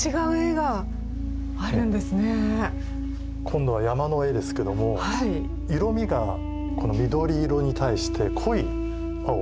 今度は山の絵ですけども色みが緑色に対して濃い青。